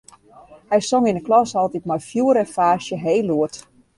Hy song yn 'e klasse altyd mei fjoer en faasje, heel lûd.